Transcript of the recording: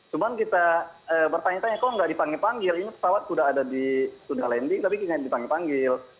cuma kita bertanya tanya kok enggak dipanggil panggil ini pesawat sudah ada di sudah landing tapi enggak dipanggil panggil